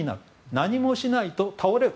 何もしないと倒れる。